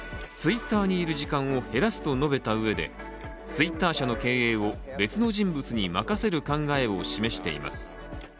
Ｔｗｉｔｔｅｒにいる時間を減らすと述べたうえでＴｗｉｔｔｅｒ社の経営を別の人物に任せる考えを示しています。